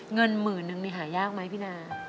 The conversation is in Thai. เงินหมื่นนึงนี่หายากไหมพี่นา